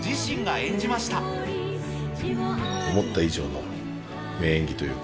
思った以上の名演技というか。